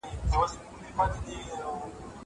انځورونه رسم کړه!!